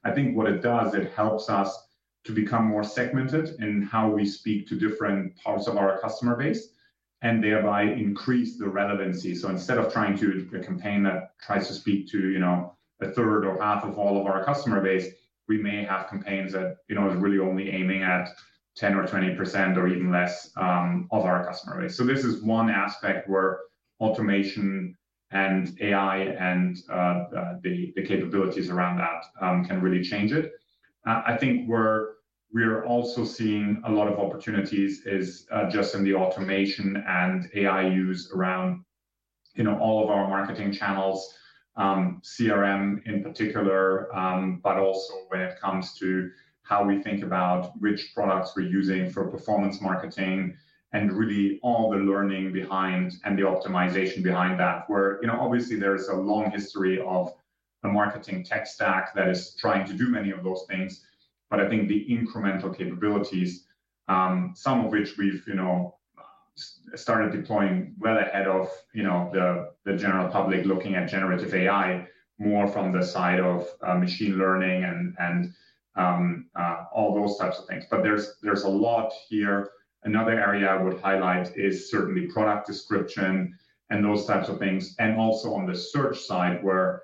I think what it does, it helps us to become more segmented in how we speak to different parts of our customer base and thereby increase the relevancy. Instead of trying to do a campaign that tries to speak to 1/3 or 1/2 of all of our customer base, we may have campaigns that are really only aiming at 10% or 20% or even less of our customer base. This is one aspect where automation and AI and the capabilities around that can really change it. I think where we're also seeing a lot of opportunities is just in the automation and AI use around all of our marketing channels, CRM in particular, but also when it comes to how we think about which products we're using for performance marketing and really all the learning behind and the optimization behind that. Obviously, there's a long history of the marketing tech stack that is trying to do many of those things, but I think the incremental capabilities, some of which we've started deploying well ahead of the general public looking at generative AI, more from the side of machine learning and all those types of things. There's a lot here. Another area I would highlight is certainly product description and those types of things, and also on the search side where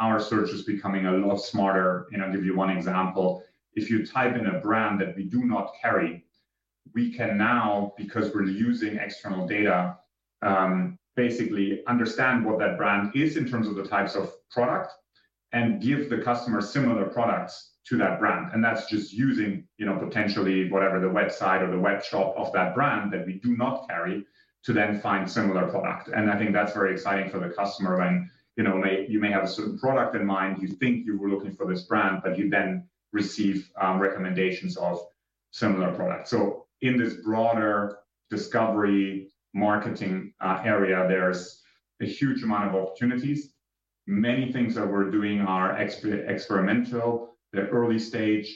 our search is becoming a lot smarter. I'll give you one example. If you type in a brand that we do not carry, we can now, because we're using external data, basically understand what that brand is in terms of the types of product and give the customer similar products to that brand. That's just using potentially whatever the website or the web shop of that brand that we do not carry to then find a similar product. I think that's very exciting for the customer when you may have a certain product in mind, you think you were looking for this brand, but you then receive recommendations of similar products. In this broader discovery marketing area, there's a huge amount of opportunities. Many things that we're doing are experimental, they're early stage,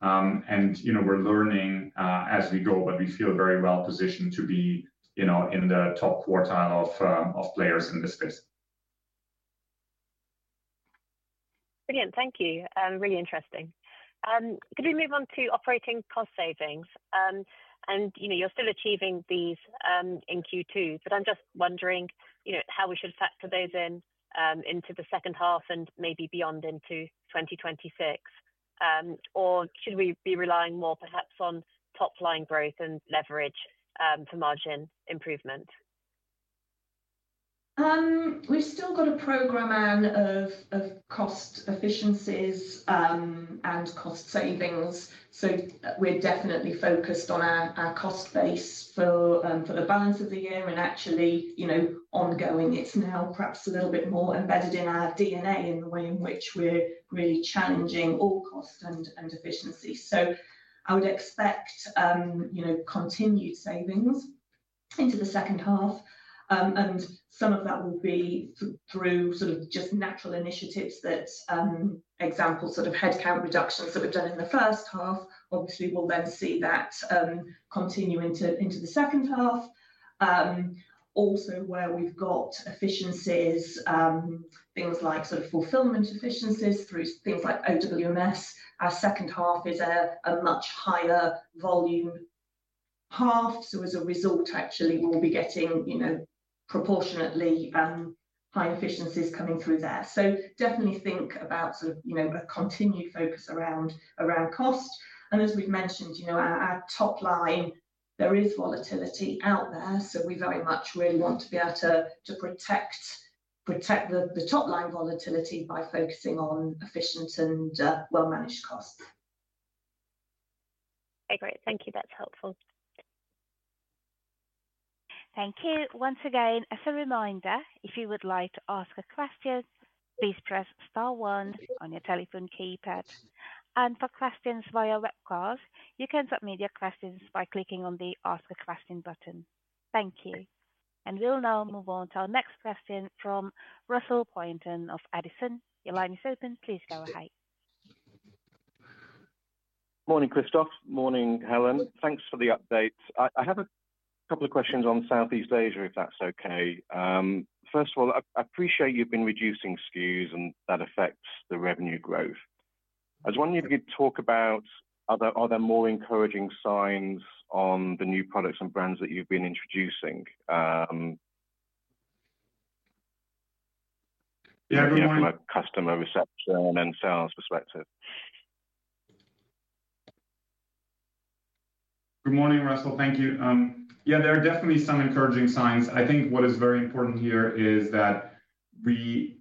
and we're learning as we go, but we feel very well positioned to be in the top quartile of players in this space. Brilliant. Thank you. Really interesting. Could we move on to operating cost savings? You're still achieving these in Q2, but I'm just wondering how we should factor those in into the second half and maybe beyond into 2026. Should we be relying more perhaps on top-line growth and leverage for margin improvement? We've still got a program of cost efficiencies and cost savings. We're definitely focused on our cost base for the balance of the year. Actually, it's now perhaps a little bit more embedded in our DNA in the way in which we're really challenging all costs and efficiencies. I would expect continued savings into the second half. Some of that will be through just natural initiatives, for example, headcount reductions that we've done in the first half. Obviously, we'll then see that continue into the second half. Also, where we've got efficiencies, things like fulfillment efficiencies through things like OWMS. Our second half is a much higher volume half. As a result, we'll be getting proportionately high efficiencies coming through there. Definitely think about a continued focus around cost. As we've mentioned, our top-line, there is volatility out there. We very much really want to be able to protect the top-line volatility by focusing on efficient and well-managed costs. Okay, great. Thank you. That's helpful. Thank you. Once again, as a reminder, if you would like to ask a question, please press star one on your telephone keypad. For questions via webcast, you can submit your questions by clicking on the ask a question button. Thank you. We'll now move on to our next question from Russell Pointon of Edison. Your line is open. Please go ahead. Morning, Christoph. Morning, Helen. Thanks for the update. I have a couple of questions on Southeast Asia, if that's okay. First of all, I appreciate you've been reducing SKUs, and that affects the revenue growth. I was wondering if you could talk about are there other more encouraging signs on the new products and brands that you've been introducing? Good morning. From a customer reception and sales perspective. Good morning, Russell. Thank you. Yeah, there are definitely some encouraging signs. I think what is very important here is that we,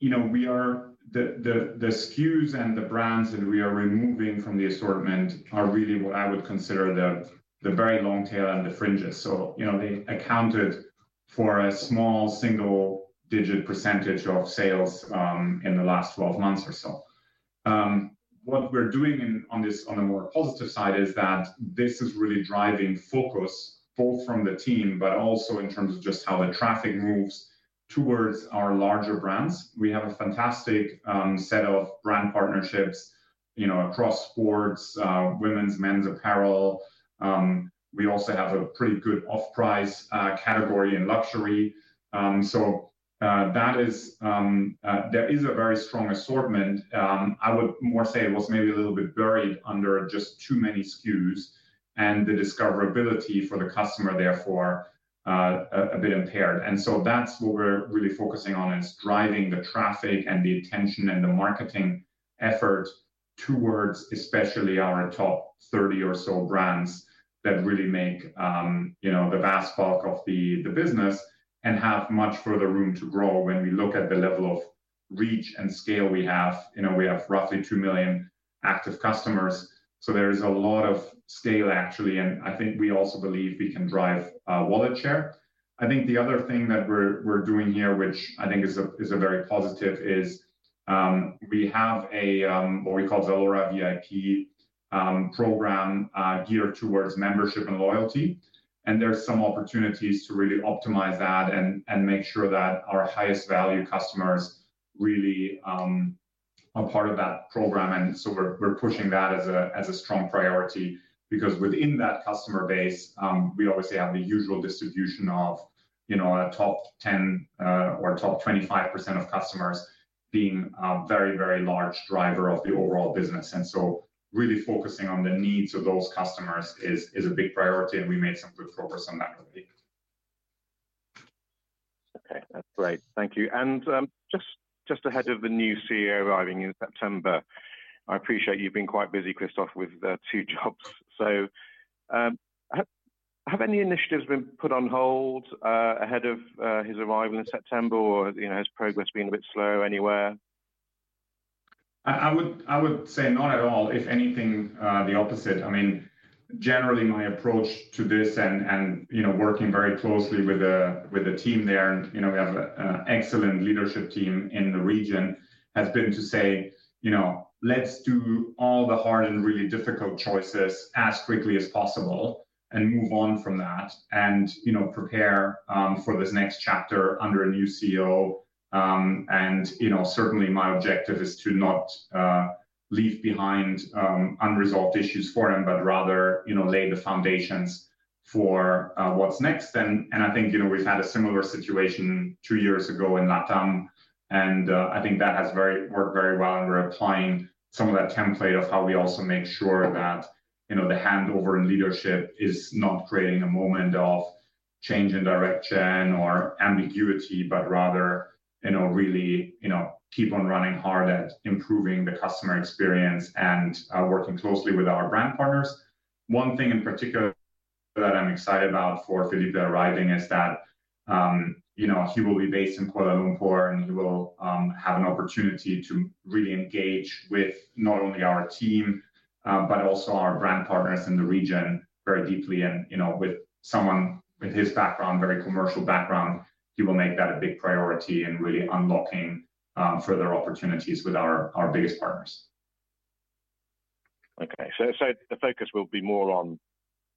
you know, the SKUs and the brands that we are removing from the assortment are really what I would consider the very long tail and the fringes. They accounted for a small single-digit percentage of sales in the last 12 months or so. What we're doing on this, on the more positive side, is that this is really driving focus both from the team, but also in terms of just how the traffic moves towards our larger brands. We have a fantastic set of brand partnerships, you know, across sports, women's, men's apparel. We also have a pretty good off-price category in luxury. That is, there is a very strong assortment. I would more say it was maybe a little bit buried under just too many SKUs and the discoverability for the customer, therefore, a bit impaired. That's what we're really focusing on, driving the traffic and the attention and the marketing effort towards especially our top 30 or so brands that really make the best bulk of the business and have much further room to grow when we look at the level of reach and scale we have. We have roughly 2 million active customers. There is a lot of scale, actually. I think we also believe we can drive wallet share. I think the other thing that we're doing here, which I think is a very positive, is we have a, what we call ZALORA VIP program geared towards membership and loyalty. There's some opportunities to really optimize that and make sure that our highest value customers really are part of that program. We're pushing that as a strong priority because within that customer base, we obviously have the usual distribution of, you know, a top 10 or top 25% of customers being a very, very large driver of the overall business. Really focusing on the needs of those customers is a big priority. We made some good focus in that. Okay, that's great. Thank you. Just ahead of the new CEO arriving in September, I appreciate you've been quite busy, Christoph, with two jobs. Have any initiatives been put on hold ahead of his arrival in September, or has progress been a bit slow anywhere? I would say not at all. If anything, the opposite. Generally, my approach to this and working very closely with the team there, and we have an excellent leadership team in the region, has been to say, let's do all the hard and really difficult choices as quickly as possible and move on from that, and prepare for this next chapter under a new CEO. Certainly, my objective is to not leave behind unresolved issues for him, but rather lay the foundations for what's next. I think we've had a similar situation two years ago in LATAM, and I think that has worked very well. We're applying some of that template of how we also make sure that the handover in leadership is not creating a moment of change in direction or ambiguity, but rather really keep on running hard at improving the customer experience and working closely with our brand partners. One thing in particular that I'm excited about for Felipe arriving is that he will be based in Kuala Lumpur, and he will have an opportunity to really engage with not only our team, but also our brand partners in the region very deeply. With someone with his background, very commercial background, he will make that a big priority in really unlocking further opportunities with our biggest partners. Okay, the focus will be more on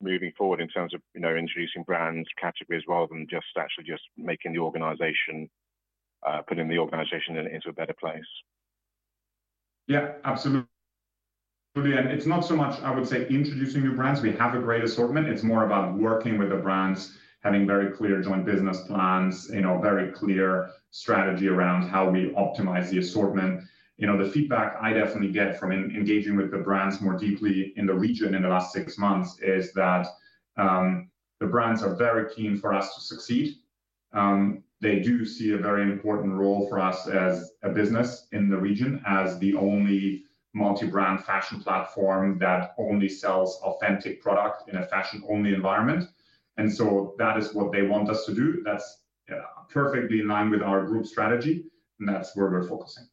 moving forward in terms of, you know, introducing brands, categories, rather than just actually making the organization, putting the organization into a better place. Absolutely. It's not so much, I would say, introducing new brands. We have a great assortment. It's more about working with the brands, having very clear joint business plans, very clear strategy around how we optimize the assortment. The feedback I definitely get from engaging with the brands more deeply in the region in the last six months is that the brands are very keen for us to succeed. They do see a very important role for us as a business in the region as the only multi-brand fashion platform that only sells authentic product in a fashion-only environment. That is what they want us to do. That's perfectly in line with our group strategy, and that's where we're focusing.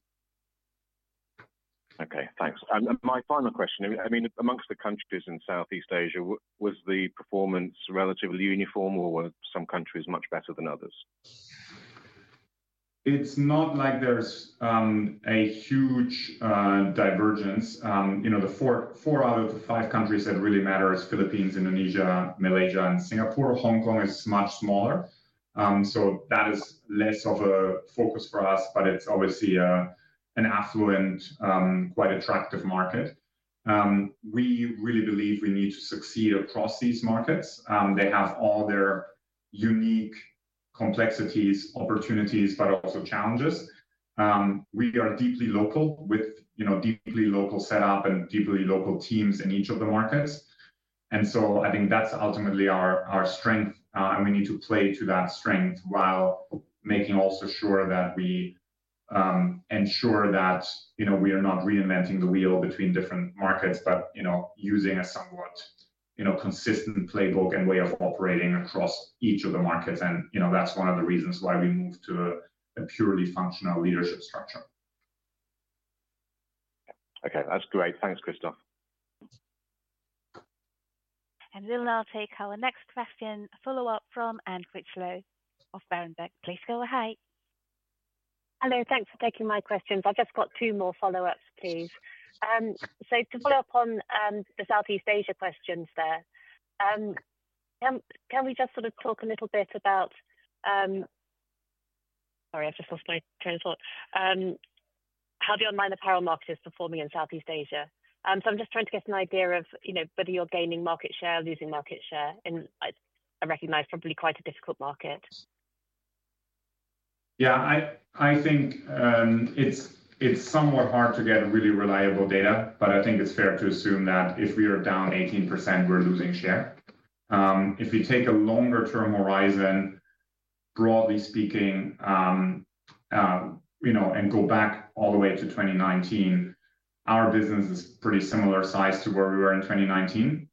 Okay, thanks. My final question, I mean, amongst the countries in Southeast Asia, was the performance relatively uniform, or were some countries much better than others? It's not like there's a huge divergence. The four out of the five countries that really matter are Philippines, Indonesia, Malaysia, and Singapore. Hong Kong is much smaller. That is less of a focus for us, but it's obviously an affluent, quite attractive market. We really believe we need to succeed across these markets. They have all their unique complexities, opportunities, but also challenges. We are deeply local with deeply local setup and deeply local teams in each of the markets. I think that's ultimately our strength, and we need to play to that strength while making also sure that we ensure that we are not reinventing the wheel between different markets, but using a somewhat consistent playbook and way of operating across each of the markets. That's one of the reasons why we moved to a purely functional leadership structure. Okay, that's great. Thanks, Christoph. We will now take our next question, a follow-up from Anne Critchlow of Berenberg. Please go ahead. Hello, thanks for taking my questions. I've just got two more follow-ups, please. To follow up on the Southeast Asia questions there, can we just sort of talk a little bit about how the online apparel market is performing in Southeast Asia? I'm just trying to get an idea of whether you're gaining market share or losing market share in a recognized, probably quite a difficult market. Yeah, I think it's somewhat hard to get really reliable data, but I think it's fair to assume that if we are down 18%, we're losing share. If we take a longer-term horizon, broadly speaking, and go back all the way to 2019, our business is a pretty similar size to where we were in 2019.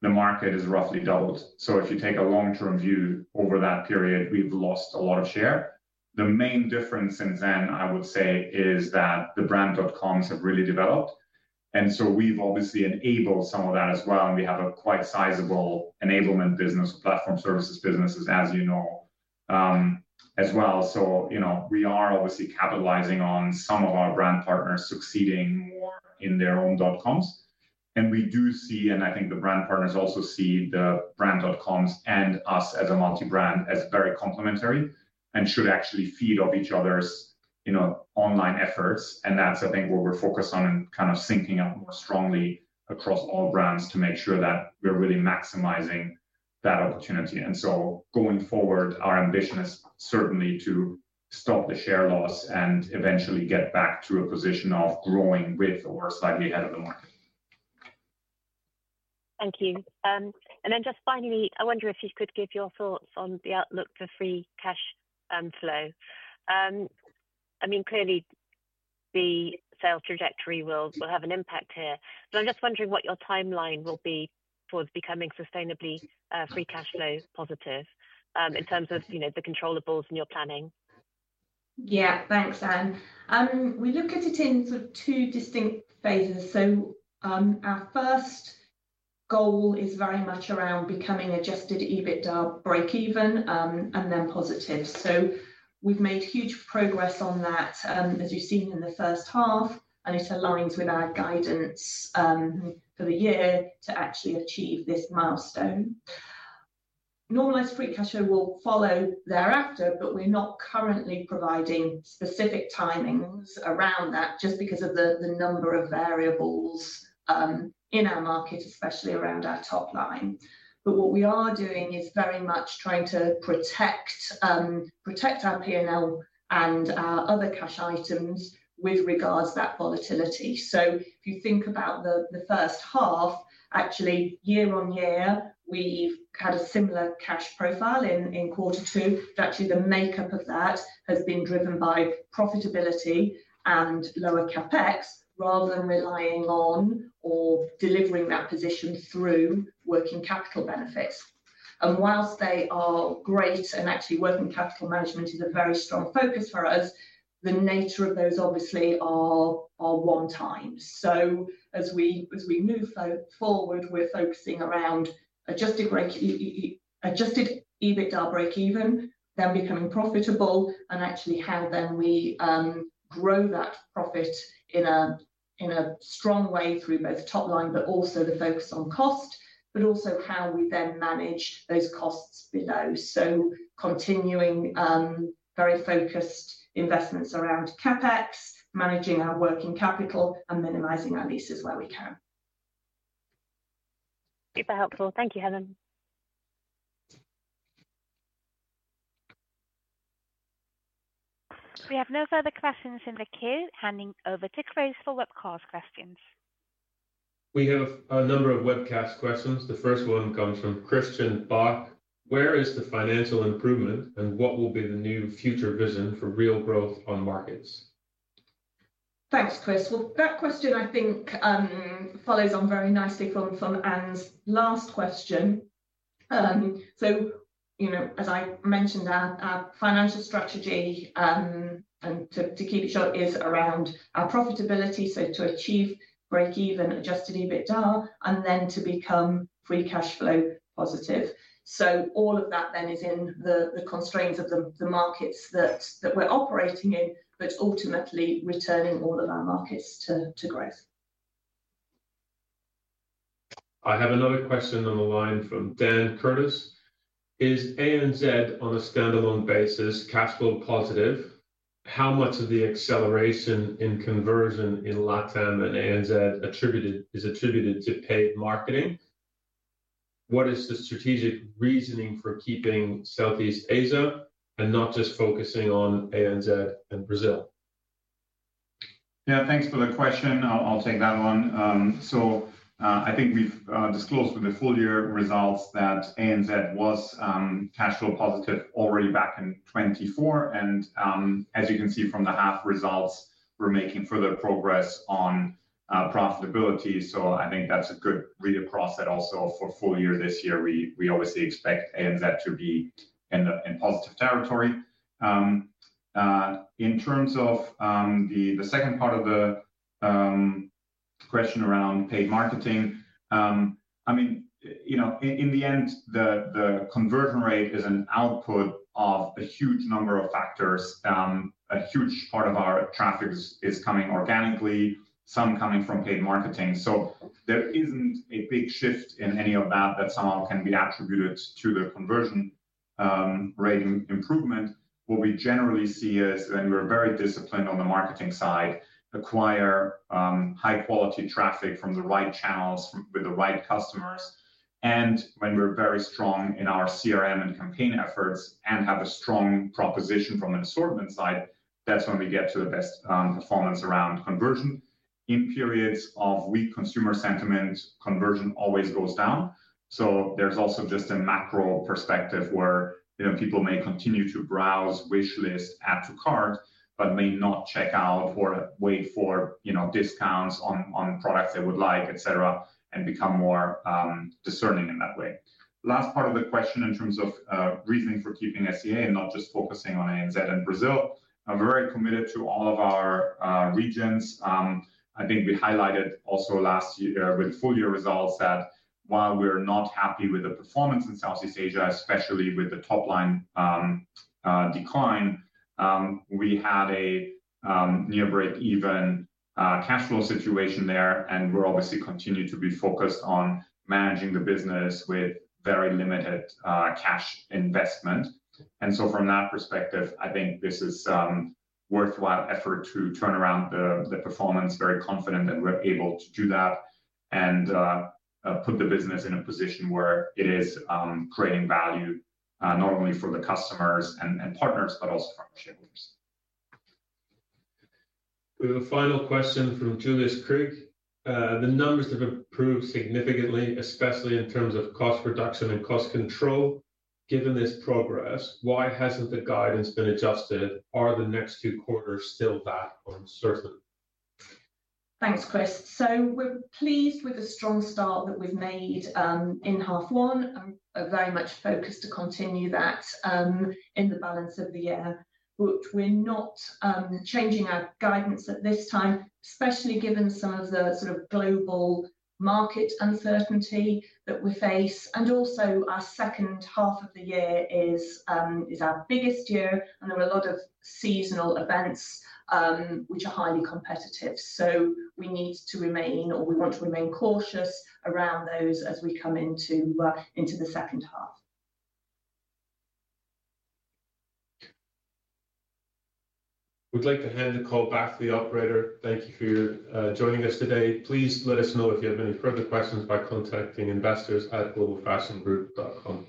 The market has roughly doubled. If you take a long-term view over that period, we've lost a lot of share. The main difference since then, I would say, is that the brand.coms have really developed. We've obviously enabled some of that as well, and we have a quite sizable enablement business, platform services businesses, as you know, as well. We are obviously capitalizing on some of our brand partners succeeding in their own dot-coms. I think the brand partners also see the brand.coms and us as a multi-brand as very complementary and should actually feed off each other's online efforts. That's, I think, what we're focused on and kind of thinking strongly across all brands to make sure that we're really maximizing that opportunity. Going forward, our ambition is certainly to stop the share loss and eventually get back to a position of growing with or slightly ahead of the market. Thank you. Finally, I wonder if you could give your thoughts on the outlook for free cash flow. Clearly, the sales trajectory will have an impact here. I'm just wondering what your timeline will be for becoming sustainably free cash flow positive in terms of the controllables and your planning. Yeah, thanks, Ann. We look at it in sort of two distinct phases. Our first goal is very much around becoming adjusted EBITDA break-even and then positive. We've made huge progress on that, as you've seen in the first half, and it aligns with our guidance for the year to actually achieve this milestone. Normalized free cash flow will follow thereafter, but we're not currently providing specific timings around that just because of the number of variables in our market, especially around our top line. What we are doing is very much trying to protect our P&L and our other cash items with regards to that volatility. If you think about the first half, actually, year on year, we've had a similar cash profile in quarter two. The makeup of that has been driven by profitability and lower CapEx rather than relying on or delivering that position through working capital benefits. Whilst they are great and actually working capital management is a very strong focus for us, the nature of those obviously are one-time. As we move forward, we're focusing around adjusted EBITDA break-even, then becoming profitable, and actually how then we grow that profit in a strong way through both top line, but also the focus on cost, but also how we then manage those costs below. Continuing very focused investments around CapEx, managing our working capital, and minimizing our leases where we can. Super helpful. Thank you, Helen. We have no further questions in the queue. Handing over to Chris MacDonald for webcast questions. We have a number of webcast questions. The first one comes from Christian Bock. Where is the financial improvement, and what will be the new future vision for real growth on markets? Thanks, Chris. That question I think follows on very nicely from Ann's last question. As I mentioned, our financial strategy, and to keep it short, is around our profitability. To achieve break-even, adjusted EBITDA, and then to become free cash flow positive. All of that then is in the constraints of the markets that we're operating in, but ultimately returning all of our markets to growth. I have another question on the line from Dan Curtis. Is ANZ on a standalone basis cash flow positive? How much of the acceleration in conversion in LATAM and ANZ is attributed to paid marketing? What is the strategic reasoning for keeping Southeast Asia and not just focusing on ANZ and Brazil? Yeah, thanks for the question. I'll take that one. I think we've disclosed with the full year results that ANZ was cash flow positive already back in 2024. As you can see from the half results, we're making further progress on profitability. I think that's a good read across that also for full year this year. We obviously expect ANZ to be in positive territory. In terms of the second part of the question around paid marketing, in the end, the conversion rate is an output of a huge number of factors. A huge part of our traffic is coming organically, some coming from paid marketing. There isn't a big shift in any of that that somehow can be attributed to the conversion rate improvement. What we generally see is when we're very disciplined on the marketing side, acquire high-quality traffic from the right channels with the right customers. When we're very strong in our CRM and campaign efforts and have a strong proposition from an assortment side, that's when we get to the best performance around conversion. In periods of weak consumer sentiment, conversion always goes down. There's also just a macro perspective where people may continue to browse, wish list, add to cart, but may not check out or wait for discounts on products they would like, etc., and become more discerning in that way. Last part of the question in terms of reasoning for keeping SEA and not just focusing on ANZ and Brazil, we're very committed to all of our regions. I think we highlighted also last year with full year results that while we're not happy with the performance in Southeast Asia, especially with the top-line decline, we had a near break-even cash flow situation there. We're obviously continuing to be focused on managing the business with very limited cash investment. From that perspective, I think this is a worthwhile effort to turn around the performance, very confident that we're able to do that and put the business in a position where it is creating value not only for the customers and partners, but also for the shareholders. We have a final question from Julius Krieg. The numbers have improved significantly, especially in terms of cost reduction and cost control. Given this progress, why hasn't the guidance been adjusted? Are the next two quarters still that uncertain? Thanks, Chris. We're pleased with the strong start that we've made in half one. I'm very much focused to continue that in the balance of the year. We're not changing our guidance at this time, especially given some of the sort of global market uncertainty that we face. Also, our second half of the year is our biggest year, and there are a lot of seasonal events which are highly competitive. We need to remain, or we want to remain, cautious around those as we come into the second half. We'd like to hand the call back to the operator. Thank you for joining us today. Please let us know if you have any further questions by contacting investors@globalfashiongroup.com.